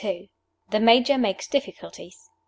THE MAJOR MAKES DIFFICULTIES.